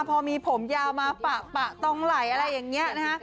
พอมีผมยาวมาปะตรงไหล่อะไรอย่างนี้นะฮะ